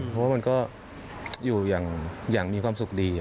เพราะว่ามันก็อยู่อย่างมีความสุขดี